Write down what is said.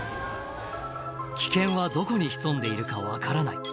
危険はどこに潜んでいるか分からない